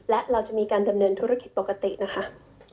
และเราจะมีการดำเนินธุรกิจปกตินะคะ